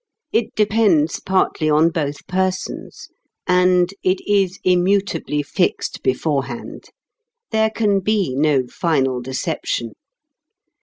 It depends partly on both persons. And it is immutably fixed beforehand. There can be no final deception.